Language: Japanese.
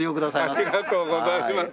ありがとうございます。